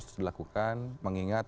harus dilakukan mengingat